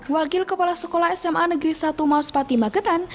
wakil kepala sekolah sma negeri satu mas pati magetan